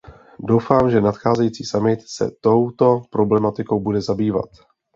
Doufám, že nadcházející summit se touto problematikou bude zabývat.